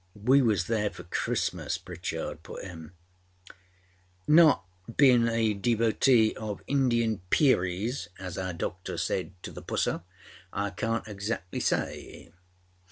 We was there for Christmas,â Pritchard put in. âNot beinâ a devotee of Indian peeris, as our Doctor said to the Pusser, I canât exactly say.